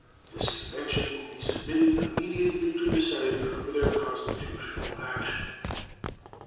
This convention will be submitted immediately to the Senate for their constitutional action.